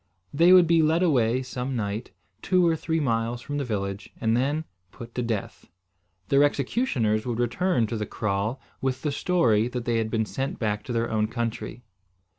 They would be led away some night, two or three miles from the village and then put to death. Their executioners would return to the kraal with the story that they had been sent back to their own country.